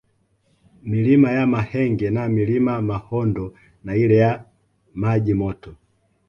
Milima ya Mahenge na Mlima Mahondo na ile ya Maji Moto